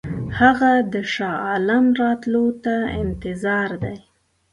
هغه د شاه عالم راتلو ته انتظار دی.